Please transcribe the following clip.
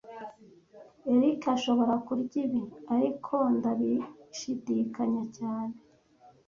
Eric ashobora kurya ibi, ariko ndabishidikanya cyane